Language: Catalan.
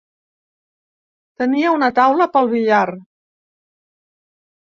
Tenia una taula pel billar.